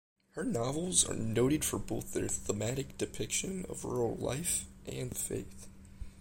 Her novels are noted for both their thematic depiction of rural life and faith.